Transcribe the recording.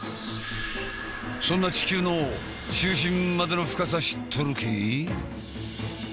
そんな地球の中心までの深さ知っとるけえ？